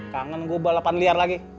tangan gua balapan liar lagi